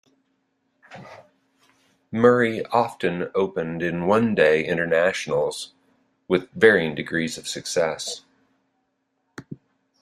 Murray often opened in One Day Internationals with varying degrees of success.